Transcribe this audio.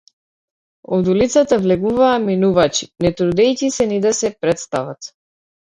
Од улицата влегуваа минувачи, не трудејќи се ни да се претстават.